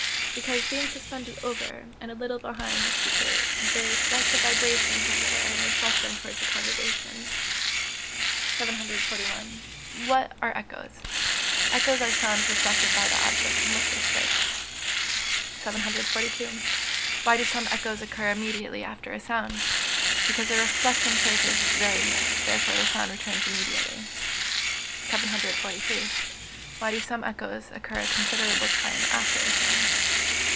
_ Because, being suspended over, and a little behind, the speaker, they collect the vibrations of the air, and reflect them towards the congregation. 741. What are echoes? Echoes are sounds reflected by the objects on which they strike. 742. Why do some echoes occur immediately after a sound? Because the reflecting surface is very near; therefore the sound returns immediately. 743. _Why do some echoes occur a considerable time after a sound?